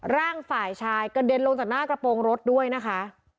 ร่างฝ่ายชายกระเด็นลงจากหน้ากระโปรงรถด้วยนะคะ